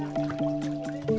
ya bagus kagum gitu ya